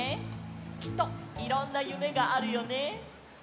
きっといろんなゆめがあるよね。